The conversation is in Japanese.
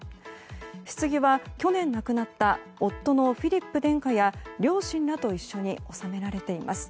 ひつぎは去年亡くなった夫のフィリップ殿下や両親らと一緒に納められています。